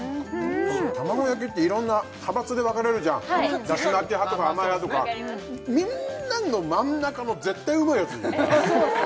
卵焼きっていろんな派閥で分かれるじゃんだし巻き派だとか甘い派とかみんなの真ん中の絶対うまいやつですよね